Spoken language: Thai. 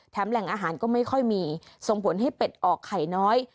แหล่งอาหารก็ไม่ค่อยมีส่งผลให้เป็ดออกไข่น้อย